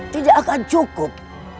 tidak akan cukup